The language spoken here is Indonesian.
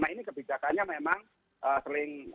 ini kebijakannya memang paling